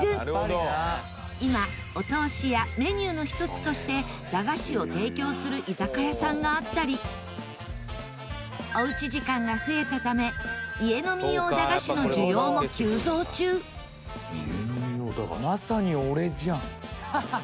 今、お通しやメニューの一つとして駄菓子を提供する居酒屋さんがあったりおうち時間が増えたため家飲み用駄菓子の需要も急増中二階堂：まさに俺じゃん。